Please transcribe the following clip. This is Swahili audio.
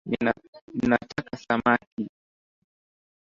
Ninataka samaki